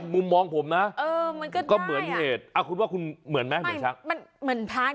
มุมมองผมนะก็เหมือนเห็ดคุณว่าคุณเหมือนไหมเหมือนช้าง